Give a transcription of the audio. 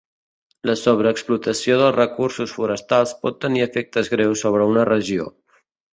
La sobreexplotació dels recursos forestals pot tenir efectes greus sobre una regió.